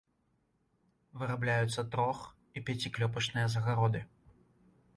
Вырабляюцца трох- і пяціклёпачныя загароды.